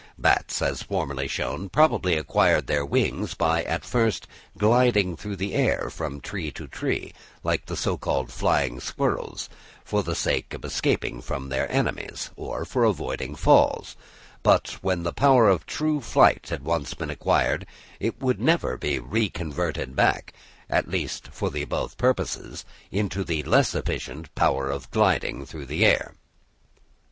Bats, as formerly shown, probably acquired their wings by at first gliding through the air from tree to tree, like the so called flying squirrels, for the sake of escaping from their enemies, or for avoiding falls; but when the power of true flight had once been acquired, it would never be reconverted back, at least for the above purposes, into the less efficient power of gliding through the air.